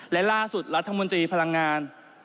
และล่าสุดรัฐมนตรีพลังงาน